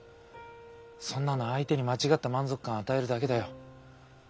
そんなの相手に間違った満足感与えるだけだよ。